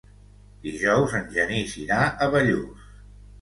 Dijous en Genís irà a Bellús.